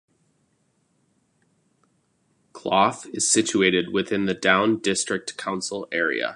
Clough is situated within the Down District Council area.